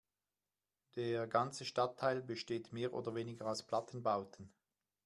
Der ganze Stadtteil besteht mehr oder weniger aus Plattenbauten.